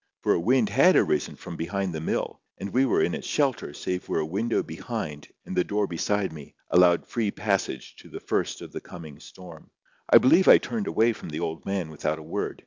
For a wind had arisen from behind the mill, and we were in its shelter save where a window behind and the door beside me allowed free passage to the first of the coming storm. I believed I turned away from the old man without a word.